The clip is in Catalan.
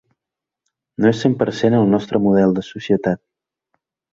No és cent per cent el nostre model de societat.